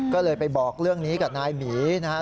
ก็เลยไปบอกเรื่องนี้กับนายหมีนะครับ